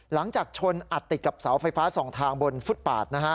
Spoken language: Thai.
หลังจากชนอัดติดกับเสาไฟฟ้าสองทางบนฟุตปาดนะฮะ